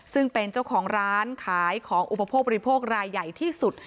ซึ่งเป็นเจ้าของร้านขายของอุปโภคบริโภครายใหญ่ที่สุด